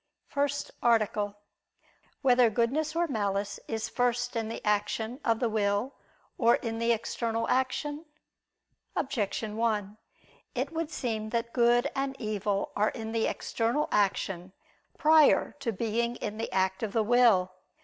________________________ FIRST ARTICLE [I II, Q. 20, Art. 1] Whether Goodness or Malice Is First in the Action of the Will, or in the External Action? Objection 1: It would seem that good and evil are in the external action prior to being in the act of the will.